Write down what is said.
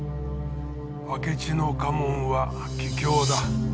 明智の家紋は桔梗だ。